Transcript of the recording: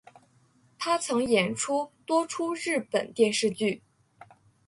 她曾演出多出日本电视剧。